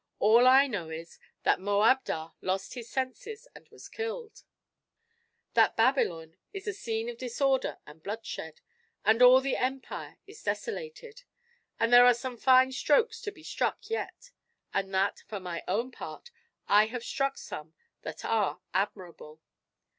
"All I know is, that Moabdar lost his senses and was killed; that Babylon is a scene of disorder and bloodshed; that all the empire is desolated; that there are some fine strokes to be struck yet; and that, for my own part, I have struck some that are admirable."